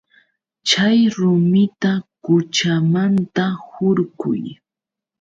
Chay rumita quchamanta hurquy.